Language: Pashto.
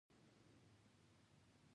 واټن اوږد او مزل ستومانوونکی دی